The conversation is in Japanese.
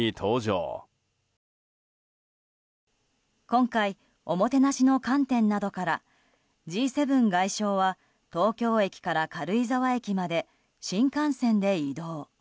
今回おもてなしの観点などからＧ７外相は東京駅から軽井沢駅まで新幹線で移動。